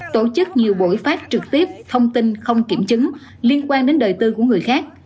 tổ chức nhiều buổi phát trực tiếp thông tin không kiểm chứng liên quan đến đời tư của người khác